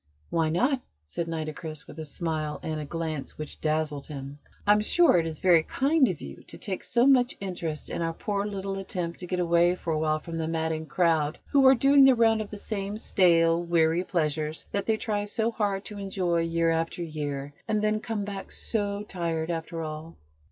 "Why not?" said Nitocris with a smile, and a glance which dazzled him. "I'm sure it is very kind of you to take so much interest in our poor little attempt to get away for a while from the madding crowd who are doing the round of the same stale, weary pleasures that they try so hard to enjoy year after year, and then come back so tired, after all."